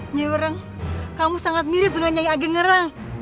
nyai wurang kamu sangat mirip dengan nyai ageng ngerang